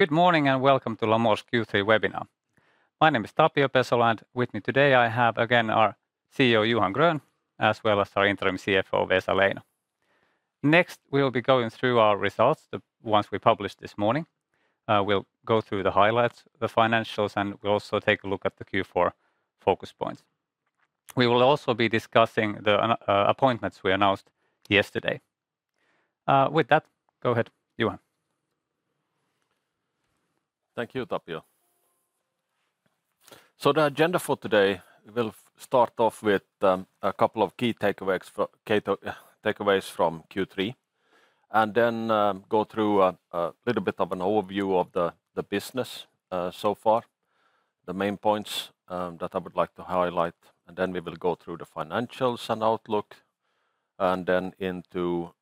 Good morning, and welcome to Lamor's Q3 webinar. My name is Tapio Pesola, and with me today I have again our CEO, Johan Grön, as well as our interim CFO, Vesa Leino. Next, we will be going through our results, the ones we published this morning. We'll go through the highlights, the financials, and we'll also take a look at the Q4 focus points. We will also be discussing the appointments we announced yesterday. With that, go ahead, Johan. Thank you, Tapio. So the agenda for today, we'll start off with a couple of key takeaways from Q3, and then go through a little bit of an overview of the business so far, the main points that I would like to highlight. And then we will go through the financials and outlook, and then into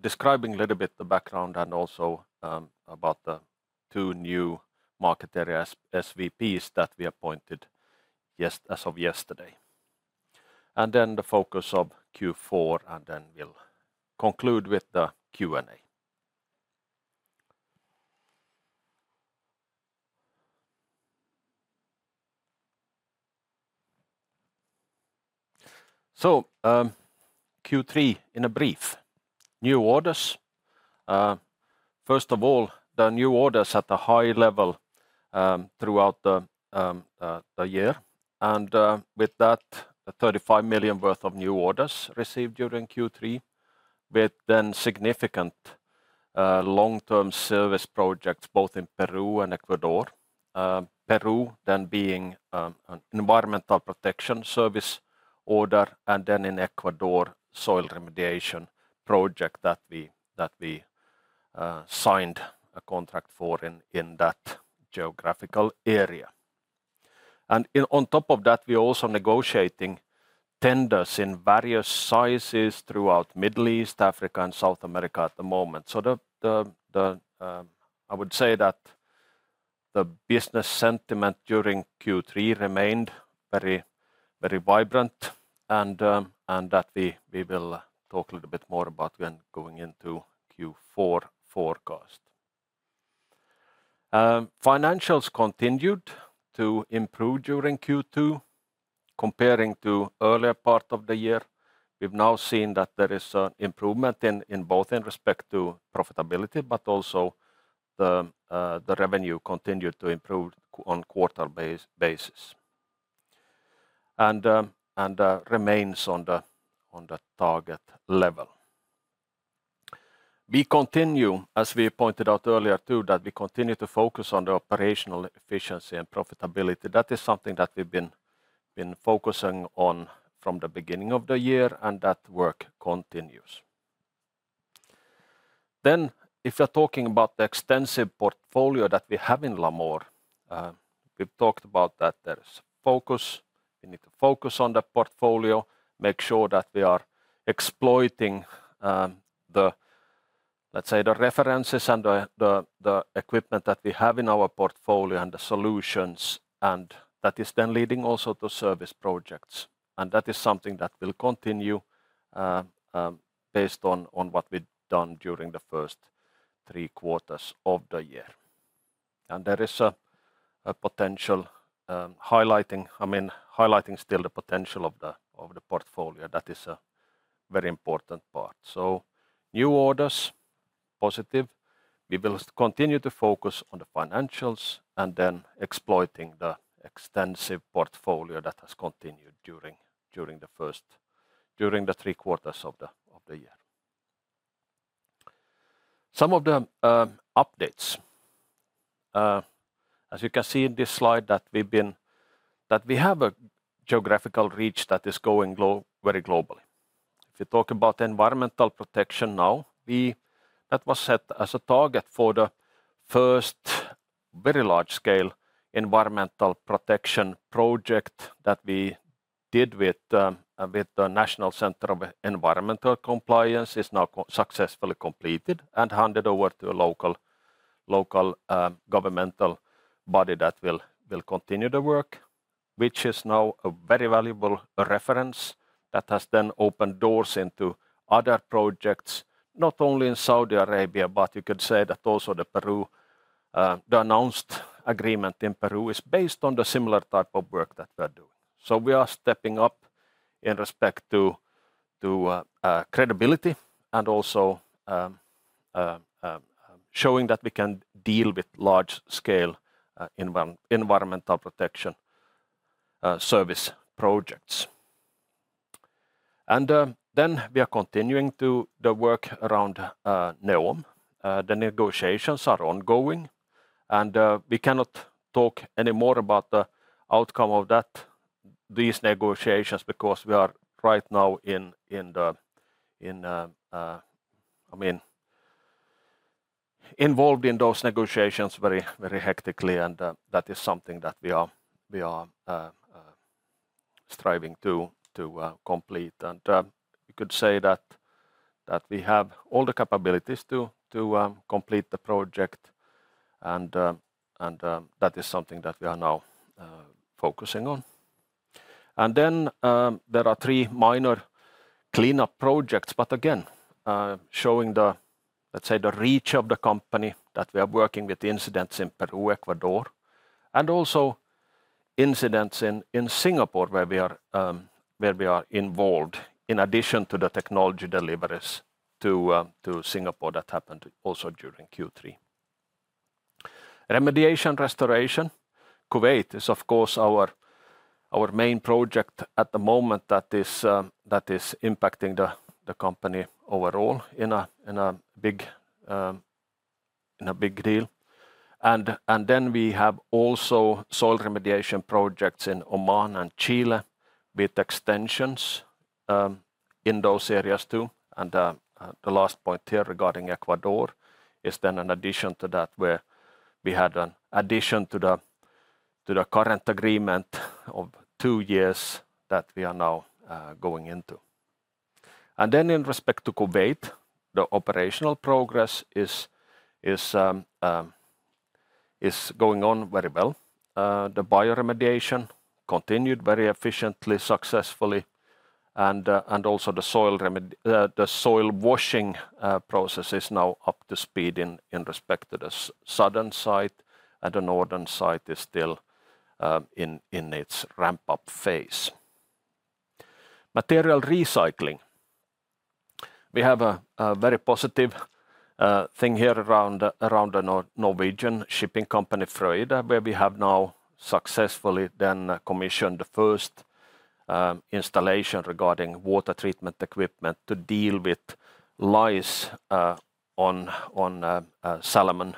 describing a little bit the background and also about the two new market area SVPs that we appointed as of yesterday. And then the focus of Q4, and then we'll conclude with the Q&A. So Q3 in a brief. New orders. First of all, the new orders at a high level throughout the year, and with that, 35 million worth of new orders received during Q3, with then significant long-term service projects both in Peru and Ecuador. Peru then being an environmental protection service order, and then in Ecuador, soil remediation project that we signed a contract for in that geographical area. On top of that, we're also negotiating tenders in various sizes throughout Middle East, Africa, and South America at the moment. So I would say that the business sentiment during Q3 remained very, very vibrant and that we will talk a little bit more about when going into Q4 forecast. Financials continued to improve during Q2, comparing to earlier part of the year. We've now seen that there is an improvement in both in respect to profitability, but also the revenue continued to improve quarter-on-quarter basis, and remains on the target level. We continue, as we pointed out earlier, too, that we continue to focus on the operational efficiency and profitability. That is something that we've been focusing on from the beginning of the year, and that work continues. Then, if you're talking about the extensive portfolio that we have in Lamor, we've talked about that there is focus. We need to focus on the portfolio, make sure that we are exploiting the references and the equipment that we have in our portfolio and the solutions, and that is then leading also to service projects. That is something that will continue, based on what we've done during the first three quarters of the year. There is a potential, highlighting. I mean, highlighting still the potential of the portfolio. That is a very important part. New orders, positive. We will continue to focus on the financials and then exploiting the extensive portfolio that has continued during the first three quarters of the year. Some of the updates. As you can see in this slide, we have a geographical reach that is going very globally. If you talk about environmental protection now, we. That was set as a target for the first very large-scale environmental protection project that we did with the National Center for Environmental Compliance, is now successfully completed and handed over to a local governmental body that will continue the work, which is now a very valuable reference that has then opened doors into other projects, not only in Saudi Arabia, but you could say that also the Peru, the announced agreement in Peru is based on the similar type of work that we're doing. So we are stepping up in respect to credibility and also showing that we can deal with large-scale environmental protection service projects. And then we are continuing to the work around NEOM. The negotiations are ongoing, and we cannot talk any more about the outcome of that, these negotiations, because we are right now in the, I mean, involved in those negotiations very, very hectically, and that is something that we are striving to complete, and you could say that we have all the capabilities to complete the project, and that is something that we are now focusing on, then there are three minor cleanup projects, but again, showing the, let's say, the reach of the company, that we are working with incidents in Peru, Ecuador, and also incidents in Singapore, where we are involved, in addition to the technology deliveries to Singapore that happened also during Q3. Remediation restoration. Kuwait is, of course, our main project at the moment that is impacting the company overall in a big deal. Then we have also soil remediation projects in Oman and Chile, with extensions in those areas, too. The last point here regarding Ecuador is then an addition to that, where we had an addition to the current agreement of two years that we are now going into. Then in respect to Kuwait, the operational progress is going on very well. The bioremediation continued very efficiently, successfully, and also the soil washing process is now up to speed in respect to the southern site, and the northern site is still in its ramp-up phase. Material recycling. We have a very positive thing here around the Norwegian shipping company, Frøy, where we have now successfully then commissioned the first installation regarding water treatment equipment to deal with lice on salmon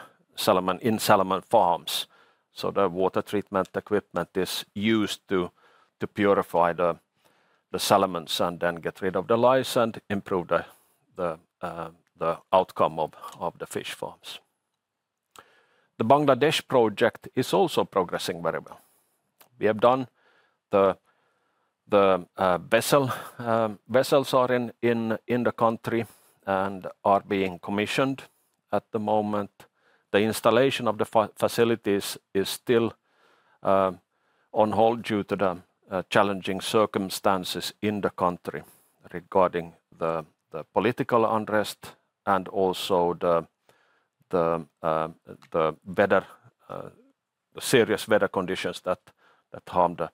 in salmon farms. So the water treatment equipment is used to purify the salmons and then get rid of the lice and improve the outcome of the fish farms. The Bangladesh project is also progressing very well. We have the vessels in the country and are being commissioned at the moment. The installation of the facilities is still on hold due to the challenging circumstances in the country regarding the political unrest and also the weather, the serious weather conditions that harmed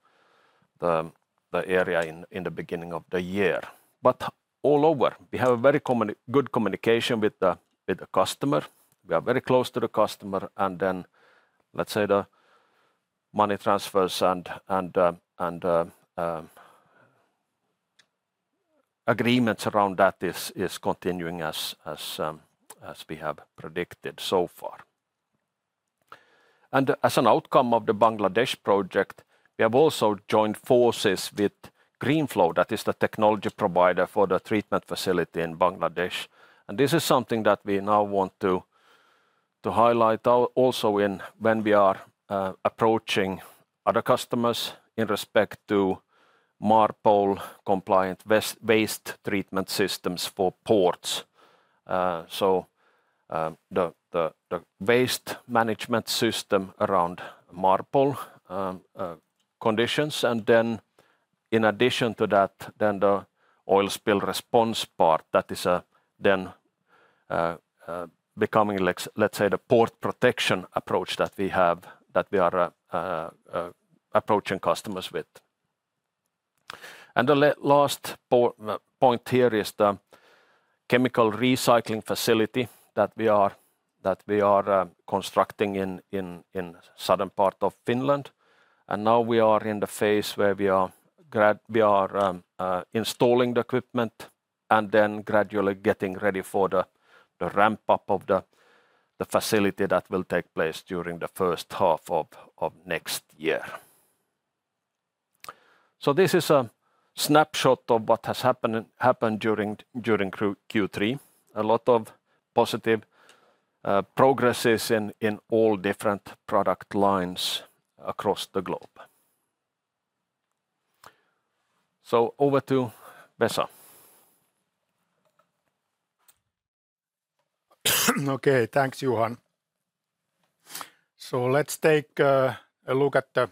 the area in the beginning of the year. Overall, we have very good communication with the customer. We are very close to the customer, and then, let's say, the money transfers and agreements around that is as we have predicted so far. And as an outcome of the Bangladesh project, we have also joined forces with Grinflow, that is the technology provider for the treatment facility in Bangladesh. This is something that we now want to highlight also when we are approaching other customers in respect to MARPOL-compliant waste treatment systems for ports. So, the waste management system around MARPOL conditions, and then in addition to that, the oil spill response part, that is becoming let's say the port protection approach that we have, that we are approaching customers with. The last point here is the chemical recycling facility that we are constructing in southern part of Finland. Now we are in the phase where we are installing the equipment and then gradually getting ready for the ramp-up of the facility that will take place during the first half of next year. This is a snapshot of what has happened during Q3. A lot of positive progresses in all different product lines across the globe. Over to Vesa. Okay, thanks, Johan. So let's take a look at the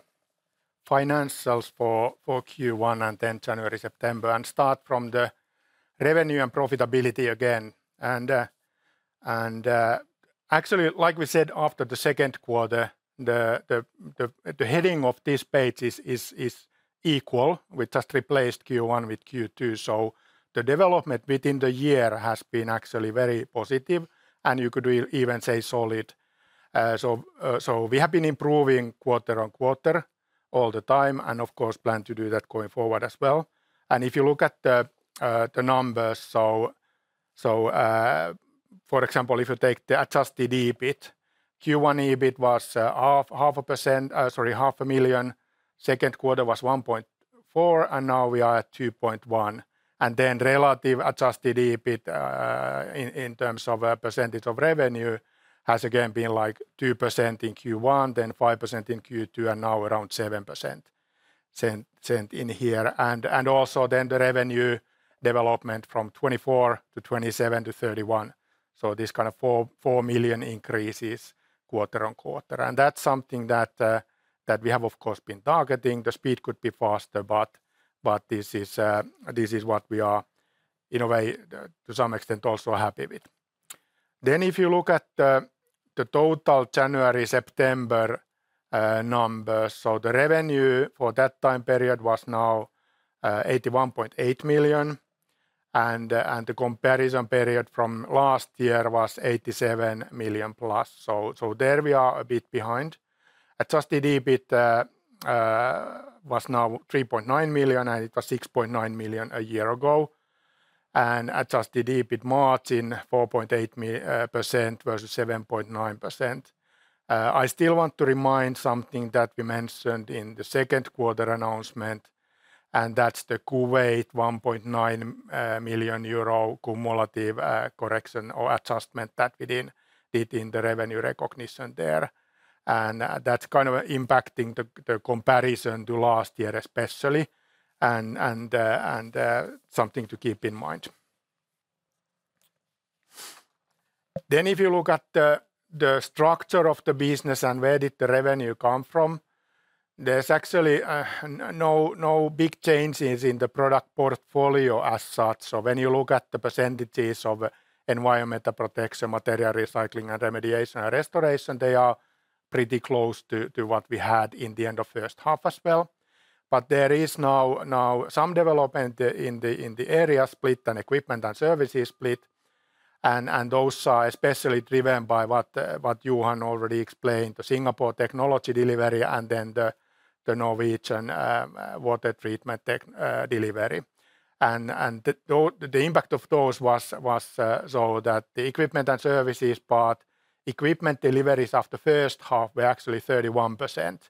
financials for Q1 and then January, September, and start from the revenue and profitability again. And actually, like we said, after the second quarter, the heading of this page is equal. We just replaced Q1 with Q2, so the development within the year has been actually very positive, and you could even say solid. So we have been improving quarter-on-quarter all the time, and of course, plan to do that going forward as well. And if you look at the numbers, so for example, if you take the Adjusted EBIT, Q1 EBIT was 0.5%, sorry, 0.5 million. Second quarter was 1.4 million, and now we are at 2.1 million. Relative adjusted EBIT in terms of a percentage of revenue has again been like 2% in Q1, then 5% in Q2, and now around 7% here. Also the revenue development from 24 to 27 to 31. So this kind of 4 million increases quarter-on-quarter, and that's something that we have, of course, been targeting. The speed could be faster, but this is what we are, in a way, to some extent, also happy with. If you look at the total January-September numbers, so the revenue for that time period was now 81.8 million, and the comparison period from last year was 87 million plus. There we are a bit behind. Adjusted EBIT was now 3.9 million, and it was 6.9 million a year ago, and adjusted EBIT margin 4.8% versus 7.9%. I still want to remind something that we mentioned in the second quarter announcement, and that's the Kuwait 1.9 million euro cumulative correction or adjustment that we did in the revenue recognition there. And that's kind of impacting the comparison to last year, especially, and something to keep in mind. Then if you look at the structure of the business and where did the revenue come from, there's actually no big changes in the product portfolio as such. So when you look at the percentages of environmental protection, material recycling, and remediation and restoration, they are pretty close to what we had in the end of first half as well. But there is now some development in the area split and equipment and services split, and those are especially driven by what Johan already explained, the Singapore technology delivery and then the Norwegian water treatment tech delivery. And the impact of those was so that the equipment and services part, equipment deliveries after first half were actually 31%,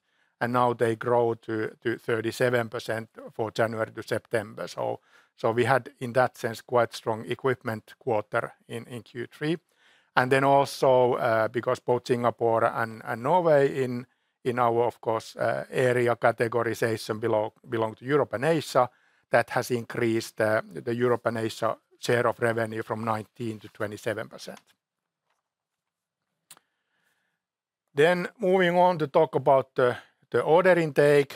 and now they grow to 37% for January to September. So we had, in that sense, quite strong equipment quarter in Q3. And then also, because both Singapore and Norway in our, of course, area categorization belong to Europe and Asia, that has increased the Europe and Asia share of revenue from 19%-27%. Then moving on to talk about the order intake,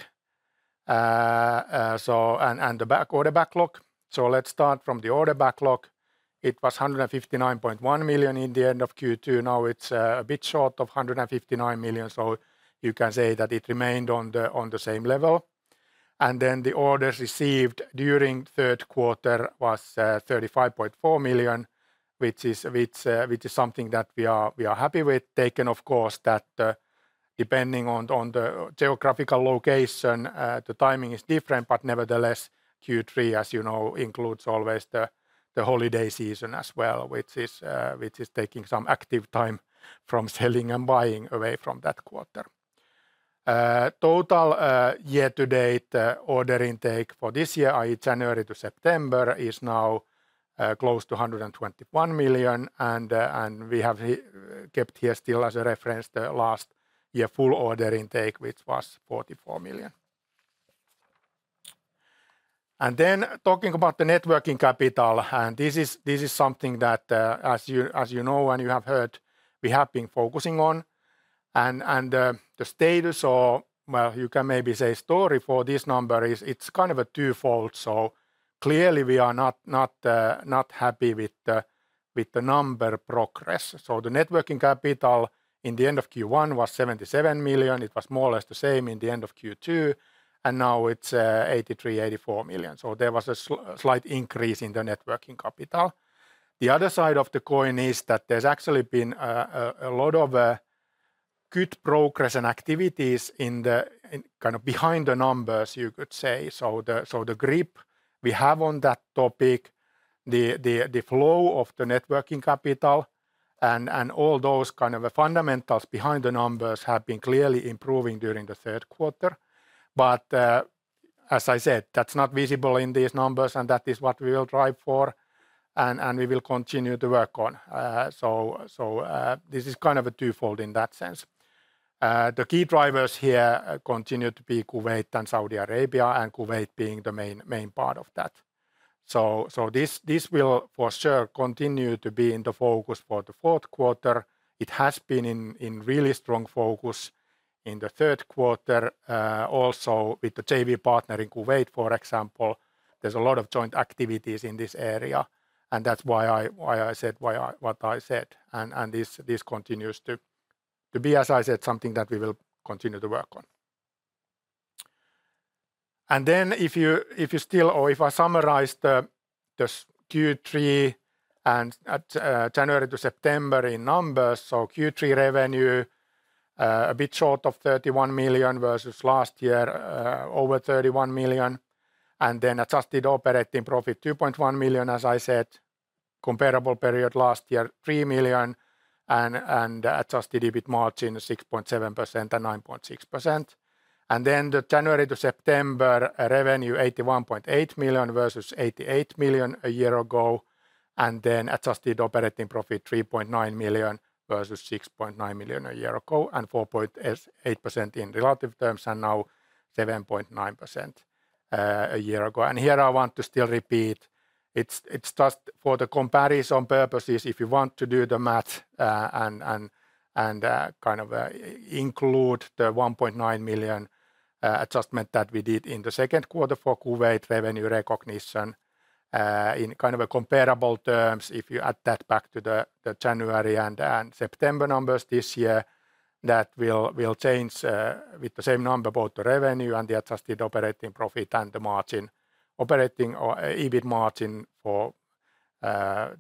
so and the order backlog. So let's start from the order backlog. It was 159.1 million at the end of Q2. Now it's a bit short of 159 million, so you can say that it remained on the same level. And then the orders received during third quarter was 35.4 million, which is something that we are happy with, taken, of course, that depending on the geographical location the timing is different. Nevertheless, Q3, as you know, includes always the holiday season as well, which is taking some active time from selling and buying away from that quarter. Total year-to-date order intake for this year, i.e., January to September, is now close to 121 million, and we have kept here still as a reference the last year full order intake, which was 44 million. Then talking about the net working capital, and this is something that, as you know and you have heard, we have been focusing on. The status or, well, you can maybe say story for this number is it's kind of a twofold. Clearly, we are not happy with the number progress. The net working capital in the end of Q1 was 77 million. It was more or less the same in the end of Q2, and now it's 83 million-84 million. There was a slight increase in the net working capital. The other side of the coin is that there's actually been a lot of good progress and activities in kind of behind the numbers, you could say. The grip we have on that topic, the flow of the net working capital and all those kind of fundamentals behind the numbers have been clearly improving during the third quarter. As I said, that's not visible in these numbers, and that is what we will drive for and we will continue to work on. So, this is kind of a twofold in that sense. The key drivers here continue to be Kuwait and Saudi Arabia, and Kuwait being the main part of that. So, this will for sure continue to be in the focus for the fourth quarter. It has been in really strong focus in the third quarter, also with the JV partner in Kuwait, for example. There's a lot of joint activities in this area, and that's why I said what I said, and this continues to be, as I said, something that we will continue to work on. And then if I summarize the Q3 and January to September in numbers, so Q3 revenue a bit short of 31 million versus last year over 31 million, and then adjusted operating profit 2.1 million, as I said, comparable period last year 3 million, and adjusted EBIT margin 6.7% and 9.6%. And then the January to September revenue 81.8 million versus 88 million a year ago, and then adjusted operating profit 3.9 million versus 6.9 million a year ago, and 4.8% in relative terms, and 7.9% a year ago. And here I want to still repeat, it's just for the comparison purposes, if you want to do the math, and kind of include the 1.9 million adjustment that we did in the second quarter for Kuwait revenue recognition, in kind of comparable terms, if you add that back to the January and September numbers this year, that will change with the same number, both the revenue and the adjusted operating profit and the margin. Operating or EBIT margin for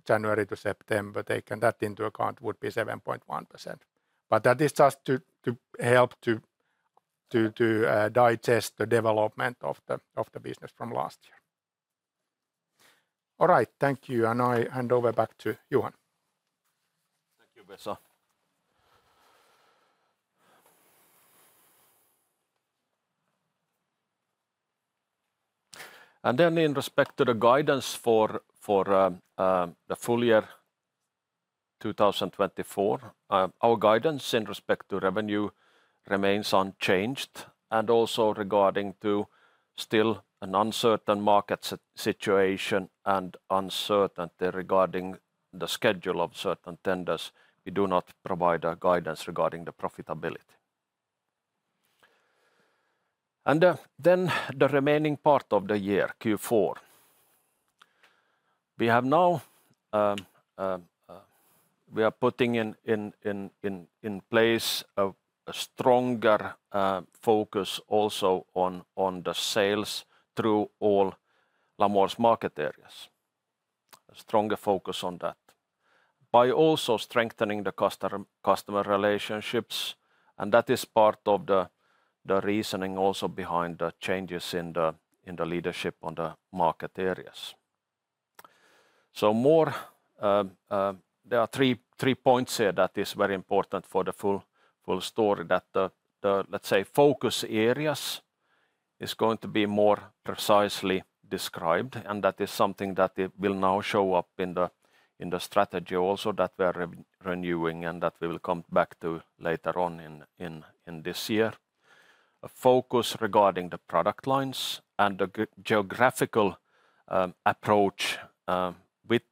January to September, taking that into account, would be 7.1%. But that is just to help digest the development of the business from last year. All right, thank you, and I hand over back to Johan. Thank you, Vesa. And then in respect to the guidance for the full year 2024, our guidance in respect to revenue remains unchanged, and also regarding to still an uncertain market situation and uncertainty regarding the schedule of certain tenders, we do not provide a guidance regarding the profitability. And then the remaining part of the year, Q4. We are putting in place a stronger focus also on the sales through all Lamor's market areas. A stronger focus on that. By also strengthening the customer relationships, and that is part of the reasoning also behind the changes in the leadership on the market areas. So more. There are three points here that is very important for the full story, that the, let's say, focus areas is going to be more precisely described, and that is something that it will now show up in the strategy also that we are renewing, and that we will come back to later on in this year. A focus regarding the product lines and the geographical approach, with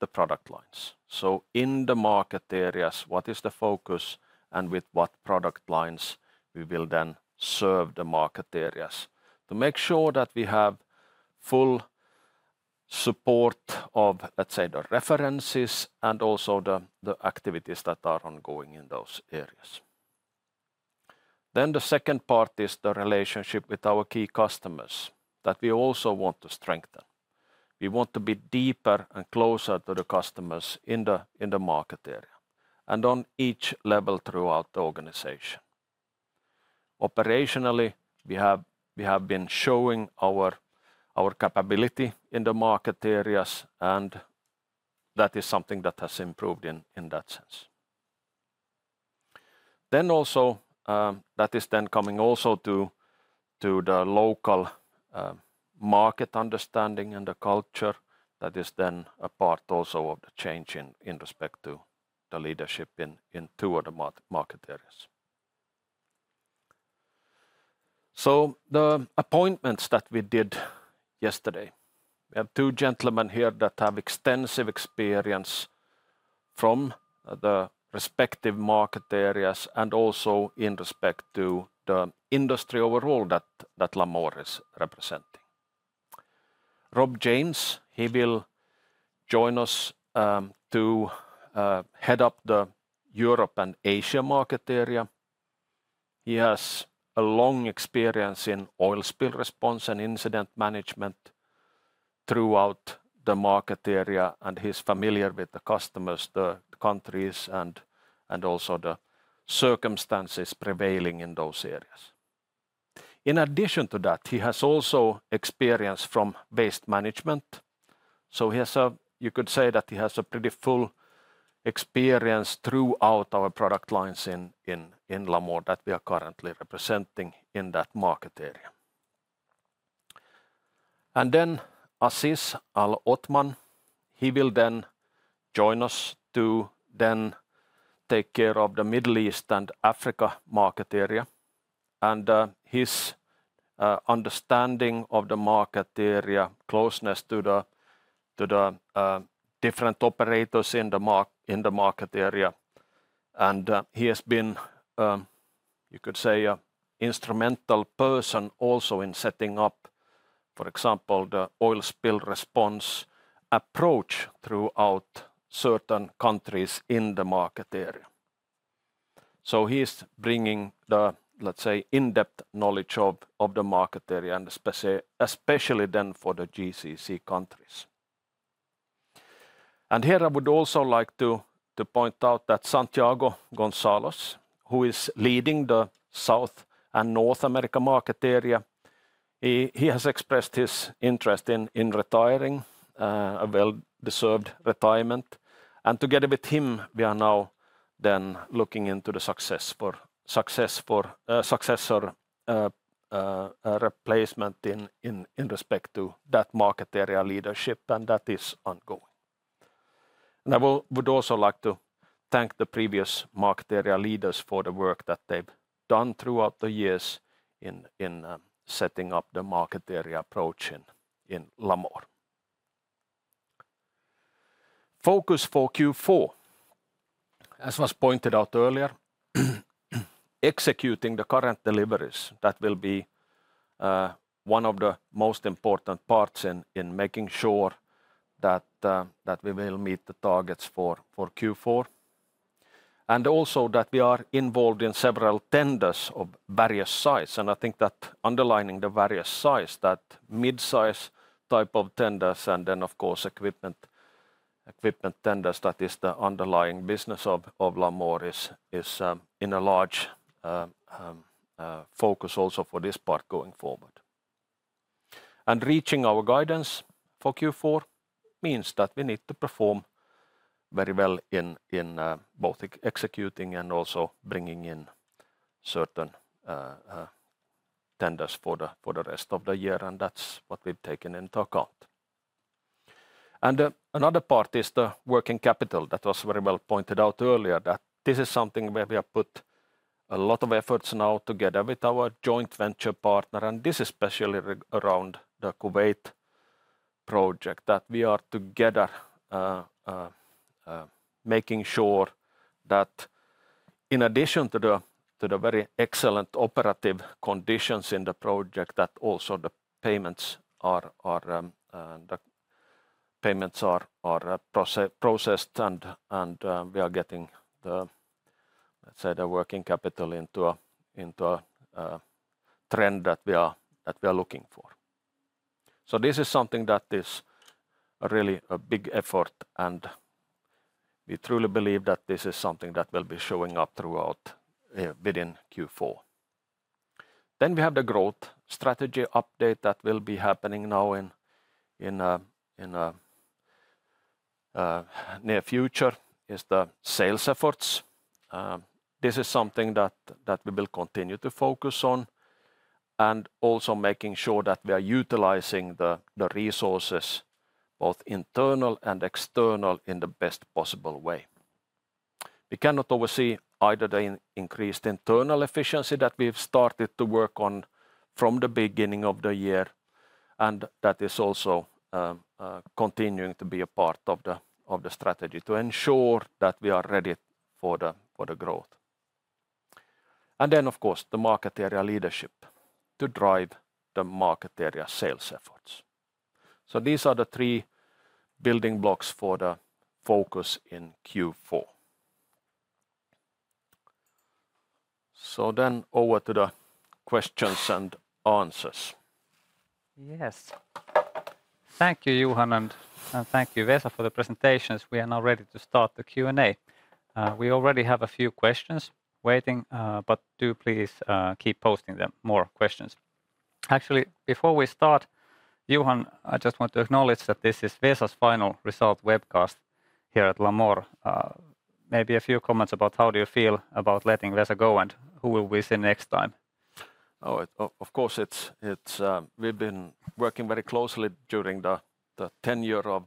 the product lines. So in the market areas, what is the focus, and with what product lines we will then serve the market areas to make sure that we have full support of, let's say, the references and also the activities that are ongoing in those areas. Then the second part is the relationship with our key customers, that we also want to strengthen. We want to be deeper and closer to the customers in the market area, and on each level throughout the organization. Operationally, we have been showing our capability in the market areas, and that is something that has improved in that sense. Then also, that is then coming also to the local market understanding and the culture, that is then a part also of the change in respect to the leadership in two of the market areas. So the appointments that we did yesterday, we have two gentlemen here that have extensive experience from the respective market areas, and also in respect to the industry overall that Lamor is representing. Rob James, he will join us to head up the Europe and Asia market area. He has a long experience in oil spill response and incident management throughout the market area, and he's familiar with the customers, the countries, and also the circumstances prevailing in those areas. In addition to that, he has also experience from waste management, so he has a. You could say that he has a pretty full experience throughout our product lines in Lamor that we are currently representing in that market area. And then Aziz Al Othman, he will then join us to then take care of the Middle East and Africa market area. And, his understanding of the market area, closeness to the different operators in the market area, and he has been, you could say, an instrumental person also in setting up, for example, the oil spill response approach throughout certain countries in the market area. So he is bringing the, let's say, in-depth knowledge of the market area, and especially then for the GCC countries. And here I would also like to point out that Santiago Gonzalez, who is leading the South and North America market area, he has expressed his interest in retiring, a well-deserved retirement. And together with him, we are now then looking into the successful successor replacement in respect to that market area leadership, and that is ongoing. I would also like to thank the previous market area leaders for the work that they've done throughout the years in setting up the market area approach in Lamor. Focus for Q4. As was pointed out earlier, executing the current deliveries, that will be one of the most important parts in making sure that we will meet the targets for Q4. And also, that we are involved in several tenders of various size, and I think that underlining the various size, that mid-size type of tenders, and then of course equipment tenders, that is the underlying business of Lamor, is in a large focus also for this part going forward. Reaching our guidance for Q4 means that we need to perform very well in both executing and also bringing in certain tenders for the rest of the year, and that's what we've taken into account. Another part is the working capital. That was very well pointed out earlier, that this is something where we have put a lot of efforts now together with our joint venture partner, and this is especially around the Kuwait project, that we are together making sure that in addition to the very excellent operative conditions in the project, that also the payments are processed and we are getting the, let's say, the working capital into a trend that we are looking for. So this is something that is really a big effort, and we truly believe that this is something that will be showing up throughout within Q4, then we have the growth strategy update that will be happening now in the near future, is the sales efforts. This is something that we will continue to focus on, and also making sure that we are utilizing the resources, both internal and external, in the best possible way. We cannot oversee either the increased internal efficiency that we've started to work on from the beginning of the year, and that is also continuing to be a part of the strategy, to ensure that we are ready for the growth, and then, of course, the market area leadership to drive the market area sales efforts. So these are the three building blocks for the focus in Q4. So then over to the Q&A. Yes. Thank you, Johan, and thank you, Vesa, for the presentations. We are now ready to start the Q&A. We already have a few questions waiting, but do please keep posting them, more questions. Actually, before we start, Johan, I just want to acknowledge that this is Vesa's final result webcast here at Lamor. Maybe a few comments about how do you feel about letting Vesa go, and who will we see next time? Oh, of course, it's. We've been working very closely during the tenure of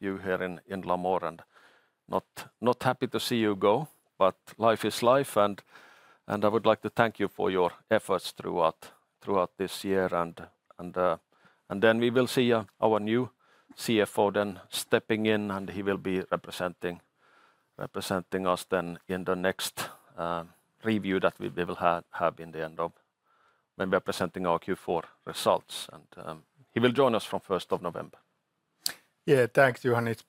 you here in Lamor, and not happy to see you go, but life is life, and I would like to thank you for your efforts throughout this year. Then we will see our new CFO then stepping in, and he will be representing us then in the next review that we will have in the end of, when we are presenting our Q4 results, and he will join us from 1st of November. Yeah. Thanks, Johan. It's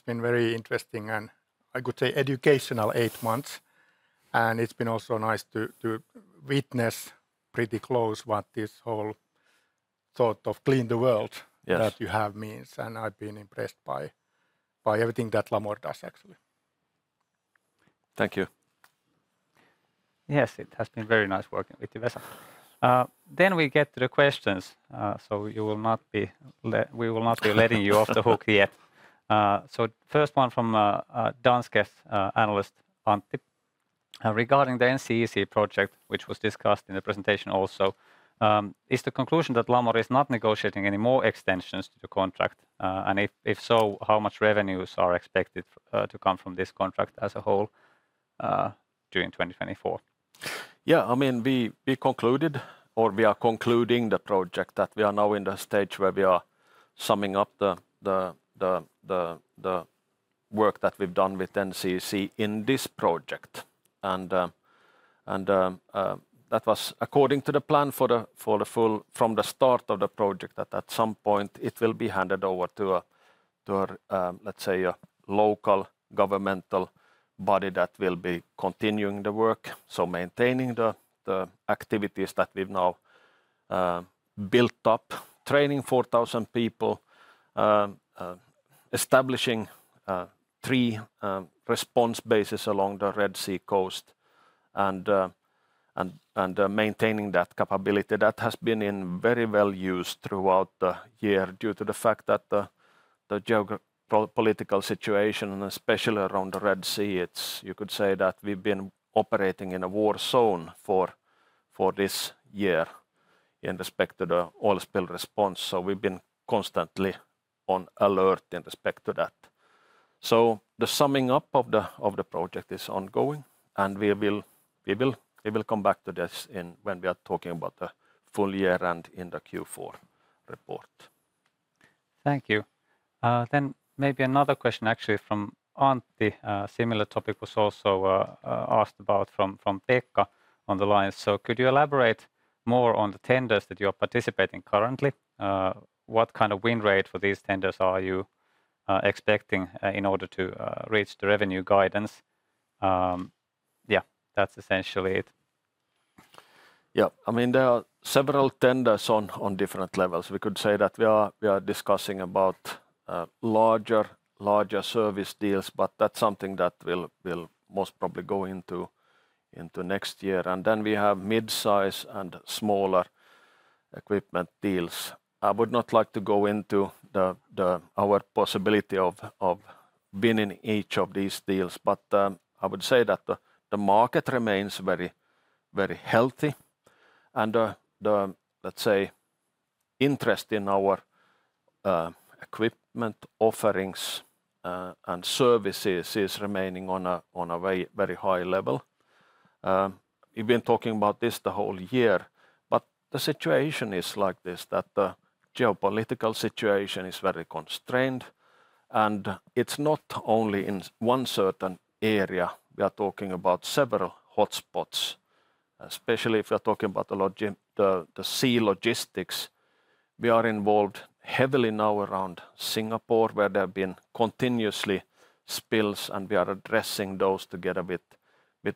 been very interesting, and I could say educational eight months, and it's been also nice to witness pretty close what this whole thought of clean the world- Yes That you have means, and I've been impressed by everything that Lamor does, actually. Thank you. Yes, it has been very nice working with you, Vesa. Then we get to the questions, so you will not be. We will not be letting you off the hook yet. So first one from Danske's analyst, Antti. Regarding the NCEC project, which was discussed in the presentation also, is the conclusion that Lamor is not negotiating any more extensions to the contract? And if so, how much revenues are expected to come from this contract as a whole during 2024? Yeah, I mean, we concluded, or we are concluding the project, that we are now in the stage where we are summing up the work that we've done with NCEC in this project. And that was according to the plan for the full, from the start of the project, that at some point it will be handed over to, let's say, a local governmental body that will be continuing the work. So maintaining the activities that we've now built up, training 4,000 people, establishing three response bases along the Red Sea coast, and maintaining that capability. That has been in very well use throughout the year, due to the fact that the geopolitical situation, and especially around the Red Sea. You could say that we've been operating in a war zone for this year in respect to the oil spill response, so we've been constantly on alert in respect to that, so the summing up of the project is ongoing, and we will come back to this when we are talking about the full year and in the Q4 report. Thank you. Then maybe another question actually from Antti. A similar topic was also asked about from Pekka on the line. "So could you elaborate more on the tenders that you are participating currently? What kind of win rate for these tenders are you expecting in order to reach the revenue guidance?" Yeah, that's essentially it. Yeah, I mean, there are several tenders on different levels. We could say that we are discussing about larger service deals, but that's something that will most probably go into next year. And then we have mid-size and smaller equipment deals. I would not like to go into our possibility of winning each of these deals, but I would say that the market remains very, very healthy, and the, let's say, interest in our equipment offerings and services is remaining on a very, very high level. We've been talking about this the whole year, but the situation is like this, that the geopolitical situation is very constrained, and it's not only in one certain area. We are talking about several hotspots, especially if you are talking about the sea logistics. We are involved heavily now around Singapore, where there have been continuously spills, and we are addressing those together with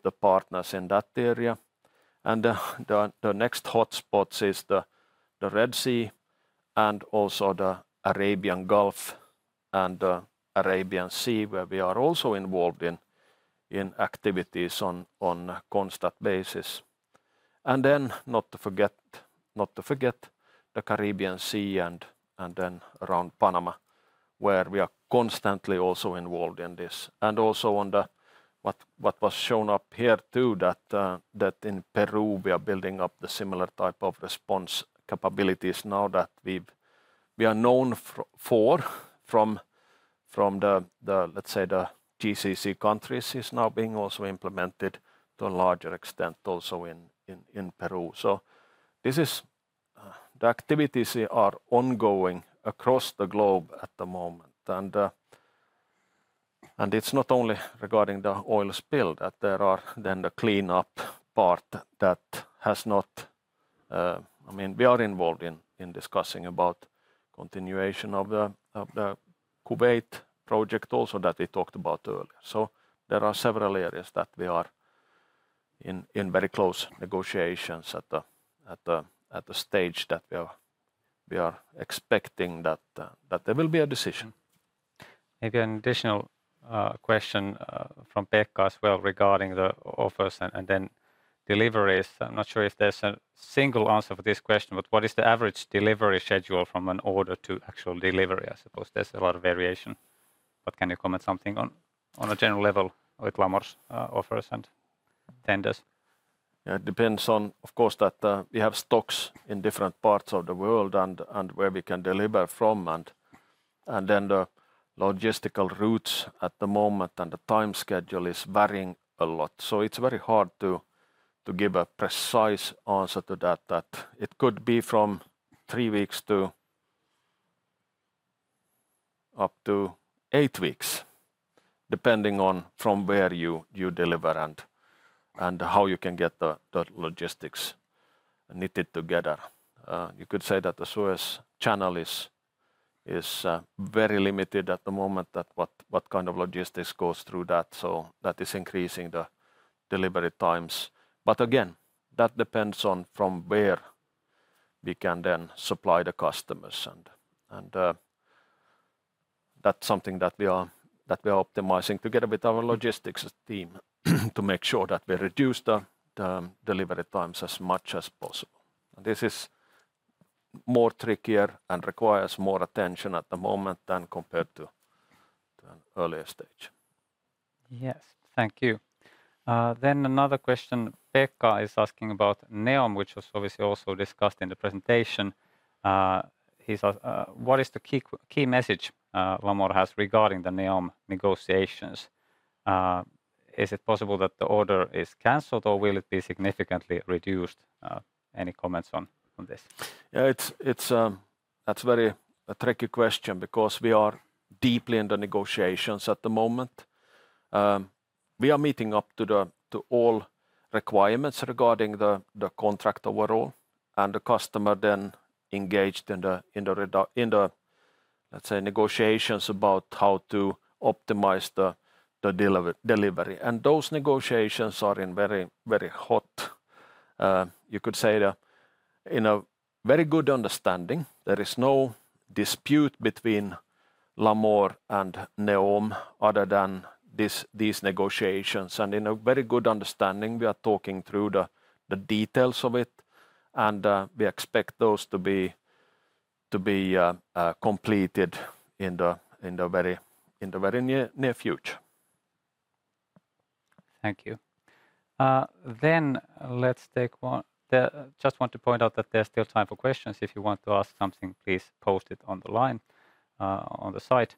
the partners in that area. And the next hotspots is the Red Sea, and also the Arabian Gulf, and Arabian Sea, where we are also involved in activities on a constant basis. And then not to forget the Caribbean Sea, and then around Panama, where we are constantly also involved in this. And also on the what was shown up here, too, that in Peru we are building up the similar type of response capabilities now that we've. We are known for from the GCC countries, is now being also implemented to a larger extent also in Peru. This is the activities are ongoing across the globe at the moment, and it's not only regarding the oil spill, that there are then the cleanup part that has not. I mean, we are involved in discussing about continuation of the Kuwait project also that we talked about earlier. There are several areas that we are in very close negotiations at the stage that we are expecting that there will be a decision. Maybe an additional question from Pekka as well regarding the office and, and then deliveries. I'm not sure if there's a single answer for this question, but, "What is the average delivery schedule from an order to actual delivery?" I suppose there's a lot of variation, but can you comment something on, on a general level with Lamor's offers and tenders? Yeah, it depends on, of course, that we have stocks in different parts of the world, and where we can deliver from, and then the logistical routes at the moment, and the time schedule is varying a lot. So it's very hard to give a precise answer to that, it could be from three weeks to up to eight weeks, depending on from where you deliver and how you can get the logistics knitted together. You could say that the Suez Channel is very limited at the moment, that what kind of logistics goes through that, so that is increasing the delivery times. But again, that depends on from where we can then supply the customers, and that's something that we are optimizing together with our logistics team, to make sure that we reduce the delivery times as much as possible. This is more trickier and requires more attention at the moment than compared to an earlier stage. Yes. Thank you. Then another question, Pekka is asking about NEOM, which was obviously also discussed in the presentation. He's asking, "What is the key, key message Lamor has regarding the NEOM negotiations? Is it possible that the order is canceled, or will it be significantly reduced?" Any comments on this? Yeah, it's a very tricky question because we are deeply in the negotiations at the moment. We are meeting up to all requirements regarding the contract overall, and the customer then engaged in the, let's say, negotiations about how to optimize the delivery. And those negotiations are in very, very hot. You could say in a very good understanding. There is no dispute between Lamor and NEOM other than these negotiations, and in a very good understanding, we are talking through the details of it, and we expect those to be completed in the very near future. Thank you. Then let's take one, just want to point out that there's still time for questions. If you want to ask something, please post it on the line, on the side.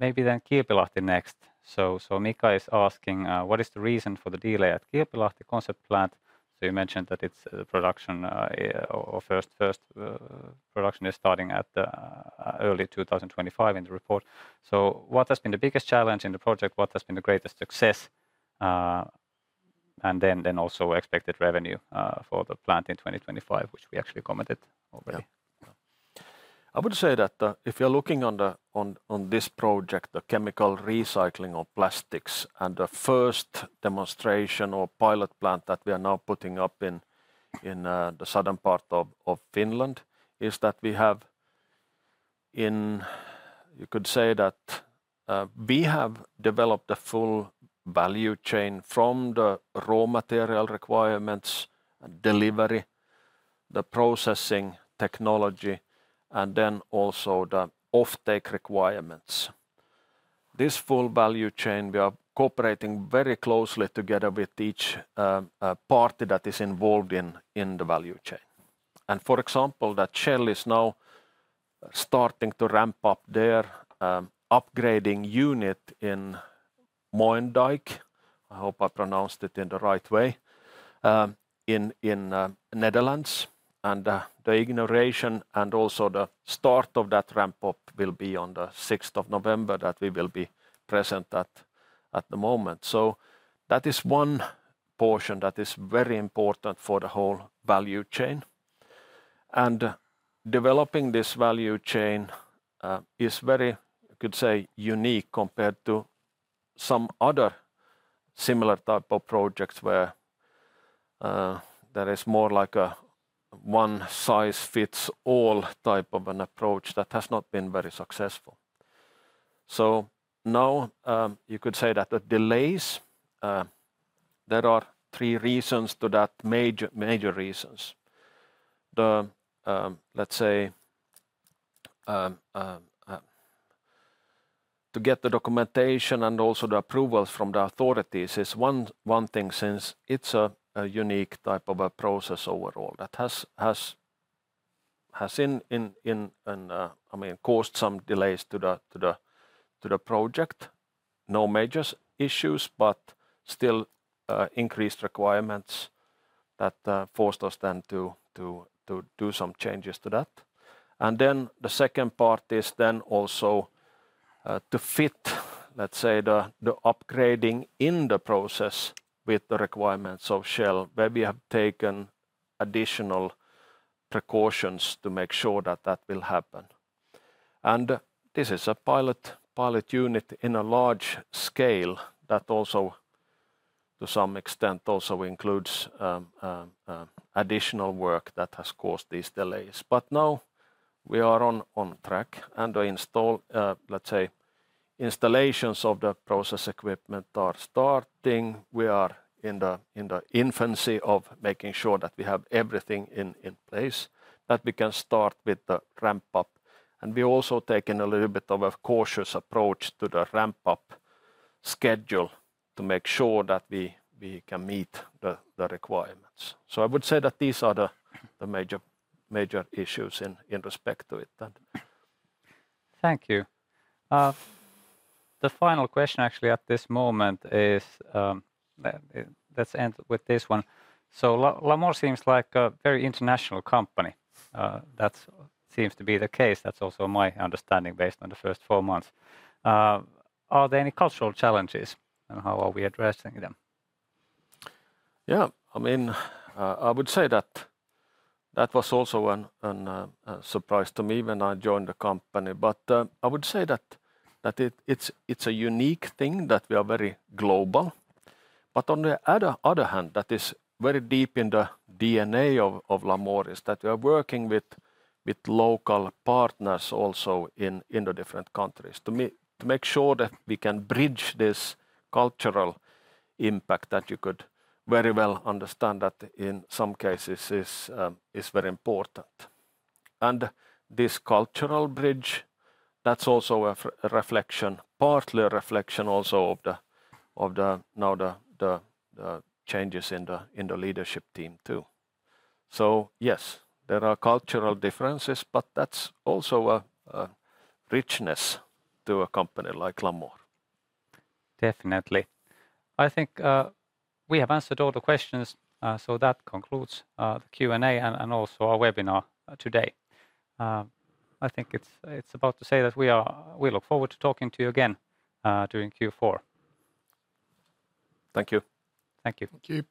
Maybe then Kilpilahti next. So Mika is asking, "What is the reason for the delay at Kilpilahti concept plant?" So you mentioned that it's production, or first production is starting at early 2025 in the report. So what has been the biggest challenge in the project? What has been the greatest success? And then also expected revenue for the plant in 2025, which we actually commented already. Yeah. I would say that if you're looking on this project, the chemical recycling of plastics, and the first demonstration or pilot plant that we are now putting up in the southern part of Finland. You could say that we have developed a full value chain from the raw material requirements, delivery, the processing technology, and then also the offtake requirements. This full value chain, we are cooperating very closely together with each party that is involved in the value chain. And for example, that Shell is now starting to ramp up their upgrading unit in Moerdijk, I hope I pronounced it in the right way, in Netherlands. The inauguration and also the start of that ramp-up will be on the 6th of November, that we will be present at the moment. That is one portion that is very important for the whole value chain. Developing this value chain is very, you could say, unique compared to some other similar type of projects, where there is more like a one-size-fits-all type of an approach that has not been very successful. Now, you could say that the delays, there are three major reasons for that. To get the documentation and also the approvals from the authorities is one thing, since it's a unique type of a process overall that has in an. I mean, caused some delays to the project. No major issues, but still, increased requirements that forced us then to do some changes to that. Then the second part is then also to fit, let's say, the upgrading in the process with the requirements of Shell, where we have taken additional precautions to make sure that that will happen. And this is a pilot unit in a large scale that, to some extent, includes additional work that has caused these delays. But now we are on track, and let's say, installations of the process equipment are starting. We are in the infancy of making sure that we have everything in place, that we can start with the ramp-up. And we're also taking a little bit of a cautious approach to the ramp-up schedule to make sure that we can meet the requirements. So I would say that these are the major issues in respect to it, then. Thank you. The final question actually at this moment is, let's end with this one: "So Lamor seems like a very international company." That seems to be the case. That's also my understanding, based on the first four months. "Are there any cultural challenges, and how are we addressing them? Yeah, I mean, I would say that that was also a surprise to me when I joined the company. But I would say that it is a unique thing, that we are very global. But on the other hand, that is very deep in the DNA of Lamor, that we are working with local partners also in the different countries, to make sure that we can bridge this cultural impact, that you could very well understand that in some cases is very important. And this cultural bridge, that's also a reflection, partly a reflection also of the now the changes in the leadership team, too. So yes, there are cultural differences, but that's also a richness to a company like Lamor. Definitely. I think we have answered all the questions, so that concludes the Q&A and also our webinar today. I think it's about time to say that we look forward to talking to you again during Q4. Thank you. Thank you. Thank you.